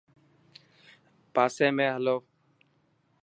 پاسي ۾ هلو.